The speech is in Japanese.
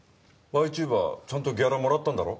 チューバーちゃんとギャラもらったんだろ？